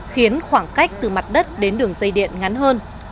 khiến khoảng cách từ mặt đất đến đường dây điện ngắn hơn